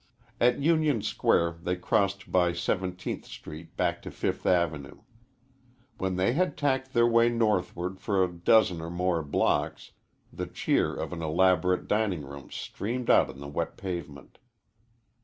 At Union Square they crossed by Seventeenth Street back to Fifth Avenue. When they had tacked their way northward for a dozen or more blocks, the cheer of an elaborate dining room streamed out on the wet pavement.